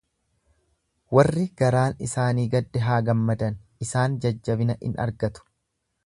Warri garaan isaanii gadde haa gammadan, isaan jajjabina in argatu.